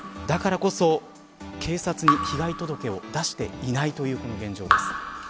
だからこそ、警察に被害届を出していないという現状です。